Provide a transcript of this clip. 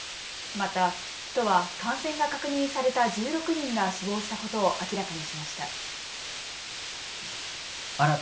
また、都は感染が確認された１６人が死亡したことを明らかにしました。